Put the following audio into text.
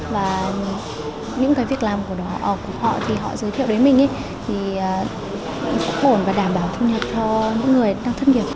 và những việc làm của họ họ giới thiệu đến mình thì cũng đảm bảo thu nhập cho mỗi người đang thất nghiệp